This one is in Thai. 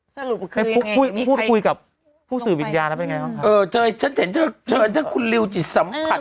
เชิญทั้งคุณริวจิตสัมผัส